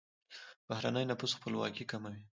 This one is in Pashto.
بهرنی نفوذ خپلواکي کموي.